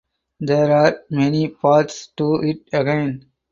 There are many parts to it again.